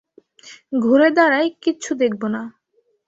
ঘুরে দাঁড়াই, কিচ্ছু দেখব না!